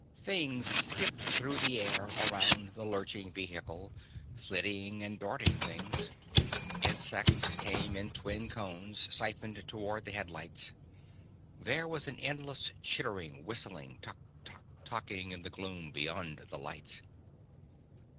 Things skipped through the air around the lurching vehicle: flitting and darting things. Insects came in twin cones, siphoned toward the headlights. There was an endless chittering whistling tok tok toking in the gloom beyond the lights.